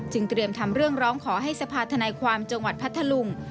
เตรียมทำเรื่องร้องขอให้สภาธนายความจังหวัดพัทธลุง